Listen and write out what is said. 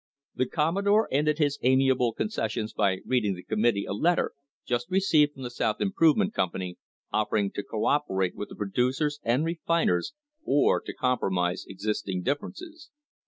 The Commodore ended his amiable concessions by reading the committee a let ter just received from the South Improvement Company offer ing to co operate with the producers and refiners or to com promise existing differences.